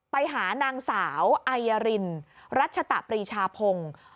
ไปหานางสาวไอยรินรัชตะปรีชาพงศ์